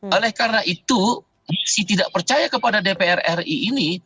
oleh karena itu misi tidak percaya kepada dpr ri ini